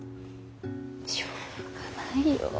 しょうがないよ。